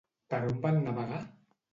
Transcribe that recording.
Per on van navegar?